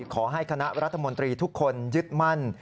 ขอให้คณะรัฐมนตรีทุกคนยึดมั่น